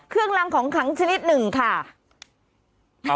เครื่องรังของคลังชนิด๑ค่ะ